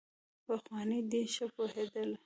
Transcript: پخواني دین ښه پوهېدلي.